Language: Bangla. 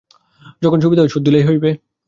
যখন সুবিধা হয় শোধ দিলেই হইবে।